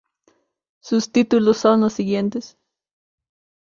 Sus títulos son los siguientes.